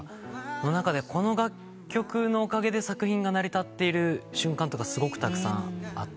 その中でこの楽曲のおかげで作品が成り立ってる瞬間とかすごくたくさんあって。